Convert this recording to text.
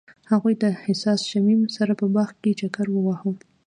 هغوی د حساس شمیم سره په باغ کې چکر وواهه.